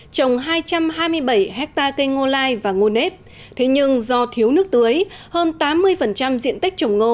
trồng hai trăm hai mươi bảy hectare cây ngô lai và ngô nếp thế nhưng do thiếu nước tưới hơn tám mươi diện tích trồng ngô